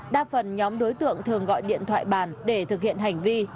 đa phần nhóm đối tượng thường gọi điện thoại bàn để thực hiện hành vi